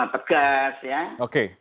pegas ya oke